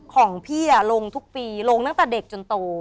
ของพี่ลงทุกปีลงตั้งแต่เด็กจนโต